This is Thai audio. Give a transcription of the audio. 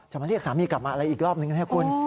มาเรียกสามีกลับมาอะไรอีกรอบหนึ่งนะครับคุณ